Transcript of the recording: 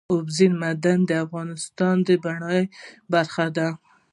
اوبزین معدنونه د افغانستان د بڼوالۍ برخه ده.